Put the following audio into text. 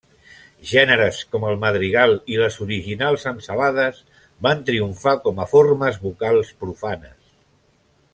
Gèneres com el madrigal i les originals ensalades van triomfar com a formes vocals profanes.